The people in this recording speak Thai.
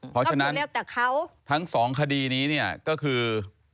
เพราะฉะนั้นทั้งสองคดีนี้ก็คือ